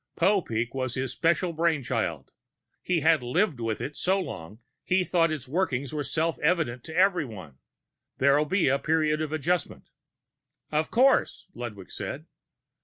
"Popeek was his special brain child. He had lived with it so long he thought its workings were self evident to everyone. There'll be a period of adjustment." "Of course," Ludwig said.